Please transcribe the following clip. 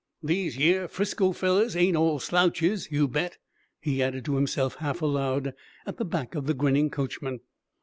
"These yer 'Frisco fellers ain't all slouches, you bet," he added to himself half aloud, at the back of the grinning coachman.